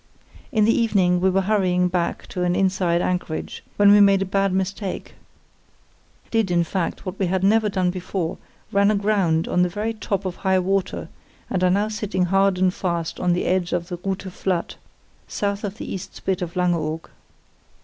... In the evening we were hurrying back to an inside anchorage, when we made a bad mistake; did, in fact, what we had never done before, ran aground on the very top of high water, and are now sitting hard and fast on the edge of the Rute Flat, south of the east spit of Langeoog.